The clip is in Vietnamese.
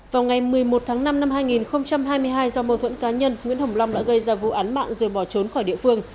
vào ngày một mươi một tháng năm năm hai nghìn hai mươi hai do mâu thuẫn cá nhân nguyễn hồng long đã gây ra vụ án mạng rồi bỏ trốn khỏi địa phương